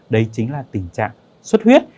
đấy chính là tình trạng suất huyết